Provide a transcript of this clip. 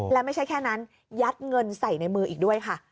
และไม่ใช่แค่นั้นยัดเงินใส่ในมืออีกด้วยค่ะ